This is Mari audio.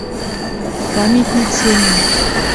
Памятник семын.